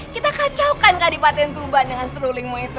kita kacaukan kadipaten tuban dengan serulingmu itu